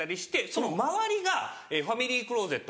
その周りがファミリークローゼット。